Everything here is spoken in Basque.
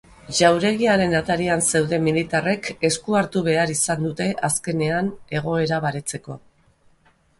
Jauregiaren atarian zeuden militarrek esku hartu behar izan dute azkenean egoera baretzeko.